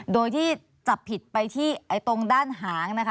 โดยที่จับผิดไปที่ตรงด้านหางนะคะ